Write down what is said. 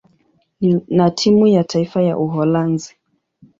na timu ya taifa ya Uholanzi.